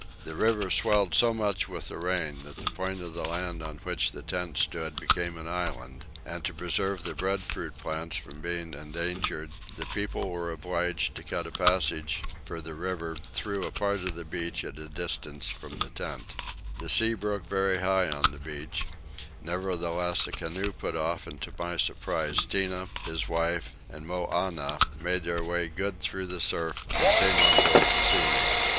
The river swelled so much with the rain that the point of land on which the tents stood became an island; and to preserve the breadfruit plants from being endangered the people were obliged to cut a passage for the river through a part of the beach at a distance from the tents. The sea broke very high on the beach; nevertheless a canoe put off and to my surprise Tinah, his wife, and Moannah made their way good through the surf and came on board to see me.